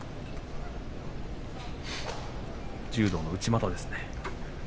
柔道の内股ですね。